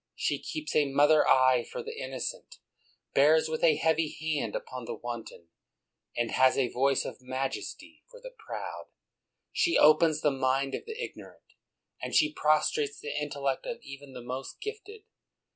She keeps a motlier's eye for the innocent, bears with a heavy hand upon the wanton, and has a voice of majesty for the proud. She opens the mind of the ignorant, and she prostrates the in tellect of even the most gifted.